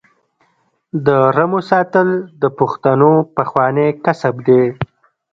د رمو ساتل د پښتنو پخوانی کسب دی.